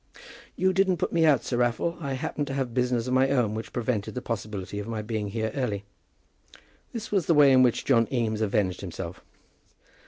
"You didn't put me out, Sir Raffle; I happened to have business of my own which prevented the possibility of my being here early." This was the way in which John Eames avenged himself.